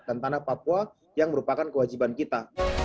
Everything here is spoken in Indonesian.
dan tanah papua yang merupakan kewajiban kita